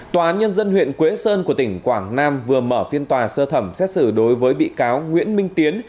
tòa án nhân dân huyện quế sơn của tỉnh quảng nam vừa mở phiên tòa sơ thẩm xét xử đối với bị cáo nguyễn minh tiến